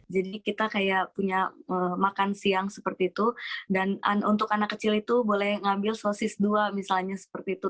jadi kita kayak punya makan siang seperti itu dan untuk anak kecil itu boleh ngambil sosis dua misalnya seperti itu